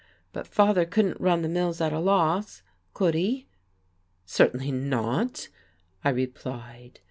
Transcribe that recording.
But father couldn't run the mills at a loss could he?" "Certainly not," I replied.